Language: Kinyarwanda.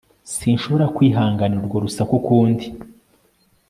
Sinshobora kwihanganira urwo rusaku ukundi